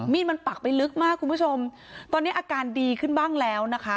มันปักไปลึกมากคุณผู้ชมตอนนี้อาการดีขึ้นบ้างแล้วนะคะ